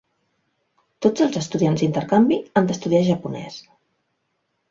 Tots els estudiants d'intercanvi han d'estudiar japonès.